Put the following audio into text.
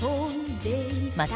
また、